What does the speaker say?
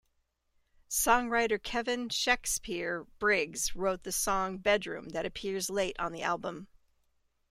Songwriter Kevin "Shekspere" Briggs wrote the song "Bedroom" that appears late on the album.